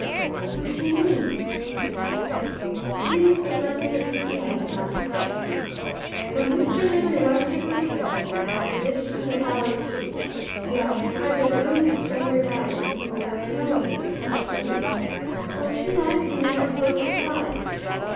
'What do you mean?' 'Please to let me explain myself, ma'am. When Mr. Henry Westwick was here (I have this from the valet, too) he occupied the room his brother died in (without knowing it), like you. For two nights he never closed his eyes.